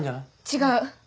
違う！